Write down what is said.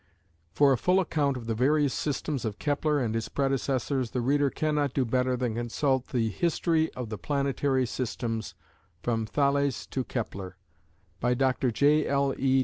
For a full account of the various systems of Kepler and his predecessors the reader cannot do better than consult the "History of the Planetary Systems, from Thales to Kepler," by Dr. J.L.E.